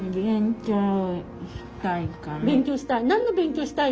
勉強したい。